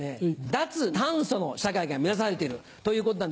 脱炭素の世界が目指されているということなんですが。